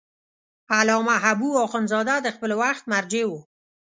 علامه حبو اخند زاده د خپل وخت مرجع و.